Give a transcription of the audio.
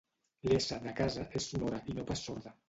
L'essa de casa és sonora i no pas sorda